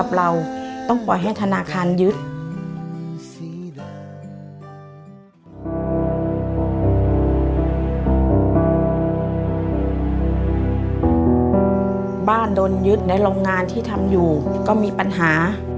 บ้านโดนยึดในโรงงานที่ทำอยู่ก็มีปัญหา